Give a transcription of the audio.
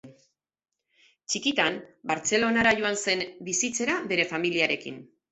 Txikitan, Bartzelonara joan zen bizitzera bere familiarekin.